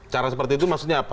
cara seperti itu maksudnya apa